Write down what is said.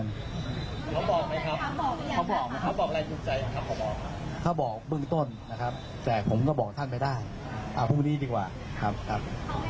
เราบอกมั้ยครับเปิ้ลต้นนะครับแต่ผมแล้วก็บอกตั้งได้เหมือนดิกว่าครับนะครับ